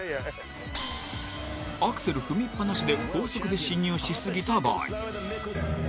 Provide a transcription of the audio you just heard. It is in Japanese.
アクセル踏みっぱなしで高速で進入しすぎた場合。